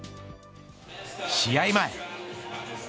試合前。